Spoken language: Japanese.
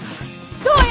どうよ！